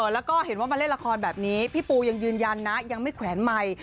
แล้วก็เห็นว่ามาเล่นละครแบบนี้พี่ปูยังยืนยันนะยังไม่แขวนไมค์